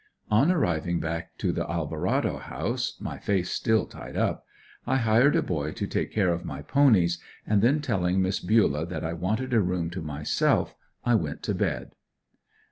On arriving back to the Alverado House, my face still tied up, I hired a boy to take care of my ponies and then telling Miss Bulah that I wanted a room to myself, I went to bed.